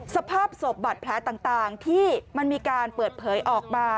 สภาพศพบาดแผลต่างที่มันมีการเปิดเผยออกมา